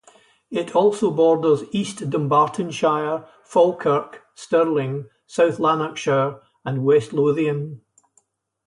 It also borders East Dunbartonshire, Falkirk, Stirling, South Lanarkshire and West Lothian.